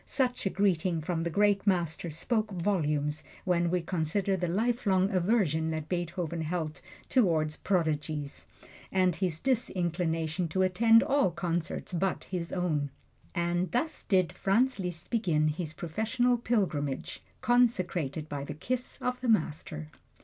Such a greeting from the great Master spoke volumes when we consider the lifelong aversion that Beethoven held toward "prodigies," and his disinclination to attend all concerts but his own. And thus did Franz Liszt begin his professional pilgrimage, consecrated by the kiss of the Master.